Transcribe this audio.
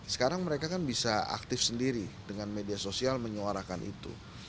sekarang mereka kan bisa aktif sendiri dengan media sosial menyuarakan itu